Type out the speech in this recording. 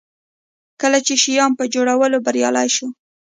کله چې شیام په جوړولو بریالی شو.